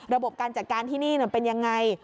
ระบบการจัดการที่นี่เป็นยังไง